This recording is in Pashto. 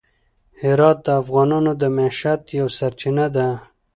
هرات د افغانانو د معیشت یوه سرچینه ده.